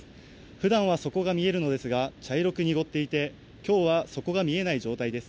普段は底が見えるのですが茶色く濁っていて、今日は底が見えない状態です。